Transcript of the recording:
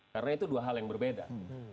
karena itu dua hal yang berbeda